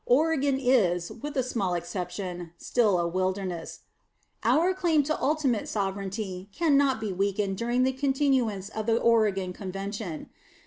Oregon is, with a small exception, still a wilderness; our claim to ultimate sovereignty can not be weakened during the continuance of the Oregon convention.